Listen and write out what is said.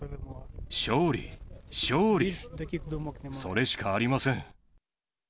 勝利、勝利、それしかありません。